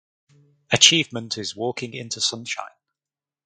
Achievement is walking into sunshine.